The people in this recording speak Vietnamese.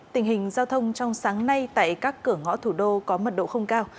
tình hình giao thông trong sáng nay tại các cửa ngõ thủ đô có mật độ không cao